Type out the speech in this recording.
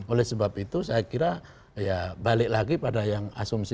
oleh sebab itu saya kira ya balik lagi pada yang asumsi saya pertama tadi